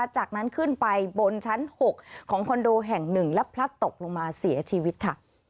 จากนั้นขึ้นไปบนชั้น๖ของคอนโดแห่ง๑และพลัดตกลงมาเสียชีวิตค่ะ